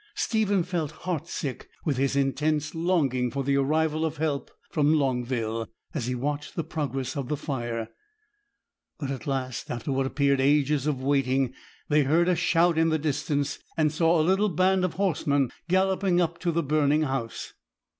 Stephen felt heart sick with his intense longing for the arrival of help from Longville, as he watched the progress of the fire; but at last, after what appeared ages of waiting, they heard a shout in the distance, and saw a little band of horsemen galloping up to the burning house.